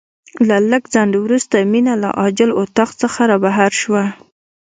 له لږ ځنډ وروسته مينه له عاجل اتاق څخه رابهر شوه.